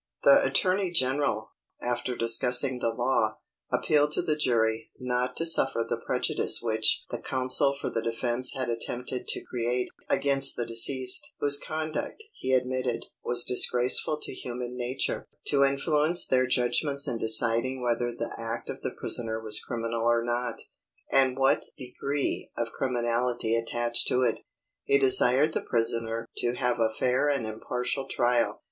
The attorney general, after discussing the law, appealed to the jury "not to suffer the prejudice which the counsel for the defence had attempted to create against the deceased (whose conduct, he admitted, was disgraceful to human nature) to influence their judgments in deciding whether the act of the prisoner was criminal or not, and what degree of criminality attached to it. He desired the prisoner to have a fair and impartial trial.